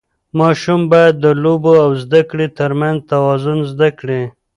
ماشوم باید د لوبو او زده کړې ترمنځ توازن زده کړي.